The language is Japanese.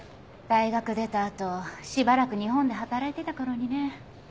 大学出た後しばらく日本で働いてた頃にね。